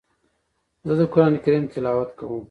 زه د قرآن کريم تلاوت کوم.